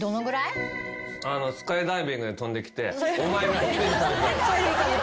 スカイダイビングで飛んできて。